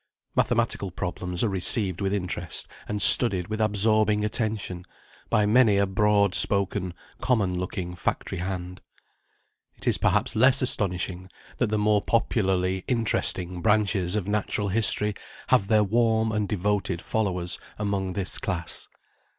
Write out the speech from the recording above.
Mathematical problems are received with interest, and studied with absorbing attention by many a broad spoken, common looking, factory hand. It is perhaps less astonishing that the more popularly interesting branches of natural history have their warm and devoted followers among this class.